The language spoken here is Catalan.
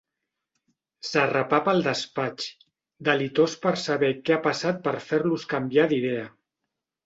S'arrepapa al despatx, delitós per saber què ha passat per fer-los canviar d'idea.